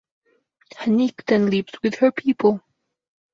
Haneek then leaves with her people.